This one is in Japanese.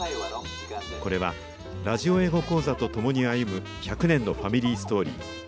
これはラジオ英語講座とともに歩む１００年のファミリーストーリー。